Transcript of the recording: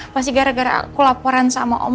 pasti gara gara aku laporan sama om